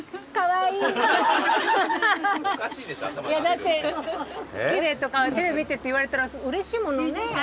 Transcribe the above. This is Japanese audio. だって奇麗とかテレビ見てるって言われたらうれしいものね。